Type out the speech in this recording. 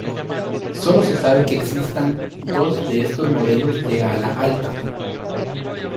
Solo se sabe que existan dos de estos modelos de ala alta.